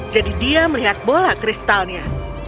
jadi dia melihat bola kristalnya